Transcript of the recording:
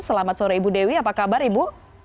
selamat sore ibu dewi apa kabar ibu